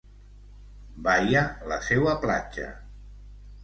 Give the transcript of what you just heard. Baia, la seua platja.